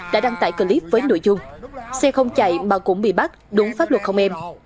đã đăng tải clip với nội dung xe không chạy mà cũng bị bắt đúng pháp luật không em